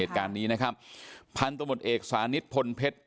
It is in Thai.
เหตุการณ์นี้นะครับพันธมตเอกสานิทพลเพชร